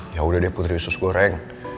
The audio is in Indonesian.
ya udah deh putri sus goreng